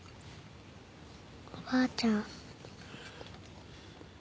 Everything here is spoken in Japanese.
おばあちゃん。